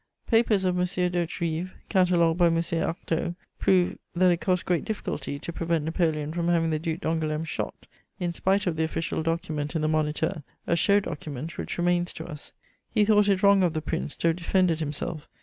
Papers of M. d'Hauterive, catalogued by M. Artaud, prove that it cost great difficulty to prevent Napoleon from having the Duc d'Angoulême shot, in spite of the official document in the Moniteur, a show document which remains to us: he thought it wrong of the Prince to have defended himself.